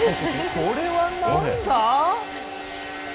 これはなんだ。